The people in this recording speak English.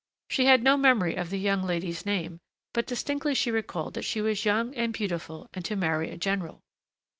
She had no memory of the young lady's name, but distinctly she recalled that she was young and beautiful and to marry a general.